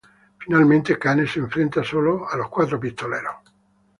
Finalmente, Kane se enfrenta solo a los cuatro pistoleros.